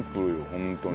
ホントに。